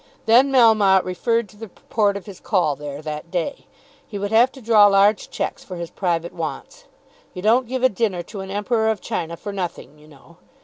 Then Melmotte referred to the purport of his call there that day. He would have to draw large cheques for his private wants. "You don't give a dinner to an Emperor of China for nothing, you know."